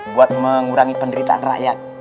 buat mengurangi penderitaan rakyat